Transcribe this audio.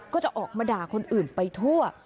ก็จะออกมาด่าคนอื่นไปทั่ว